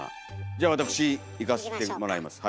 じゃあ私いかせてもらいます。